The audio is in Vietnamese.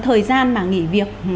thời gian mà nghỉ việc